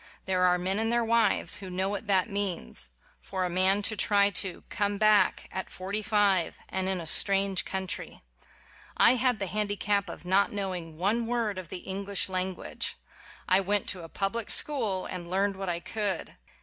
There are men and their wives who know what that means : for a man to try to "come back" at forty five, and in a strange country! I had the handicap of not knowing one word of the English language. I went to a public school and learned what I could.